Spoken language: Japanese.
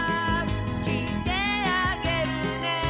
「きいてあげるね」